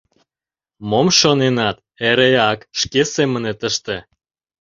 — Мом шоненат — эреак шке семынет ыште!